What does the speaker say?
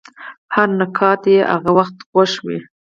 هر نقاد یې هغه وخت خوښ وي.